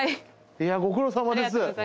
いやご苦労さまです。